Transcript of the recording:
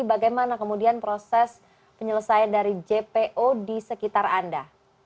bagaimana kemudian proses penyelesaian dari jpo di sekitar anda